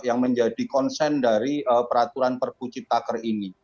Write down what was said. yang menjadi konsen dari peraturan perpu cipta kerja ini